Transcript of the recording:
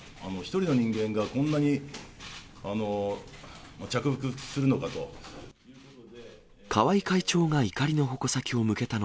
１人の人間がこんなに着服するのかと。